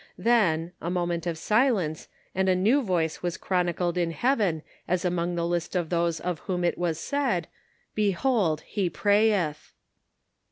Then, a moment of silence and a new voice was chron icled in heaven as among the list of those of whom it is said, " Behold, he prayeth